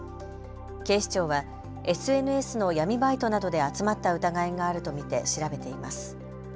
警視庁はＳＮＳの闇バイトなどで集まった疑いがあると見て調べています。